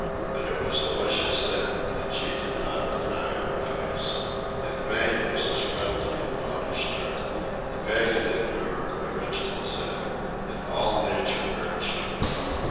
But it was delicious sin, and she did not deny her eyes. In vain Mrs. Grundy admonished her. The pagan in her, original sin, and all nature urged her on.